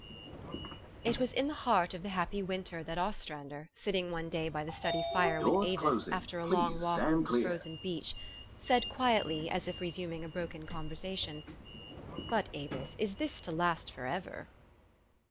IT was in the heart of the happy winter that Os trander, sitting one day by the study fire with Avis, after a long walk over the frozen beach, said quietty, as if resuming a broken conversation, " But, Avis, is this to last forever?"